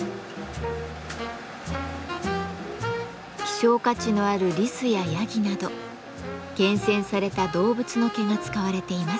希少価値のあるリスやヤギなど厳選された動物の毛が使われています。